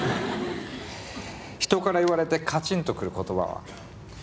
人から言われてカチンとくる言葉は？